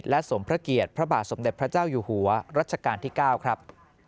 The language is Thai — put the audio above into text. และสมพระเกียรติพระบาทสมเด็จพระเจ้าอยู่หัวรัชกาลที่๙ครับ